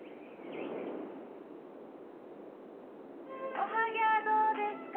おはぎはどうですか？